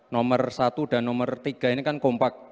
nomor satu dan nomor tiga ini kan kompak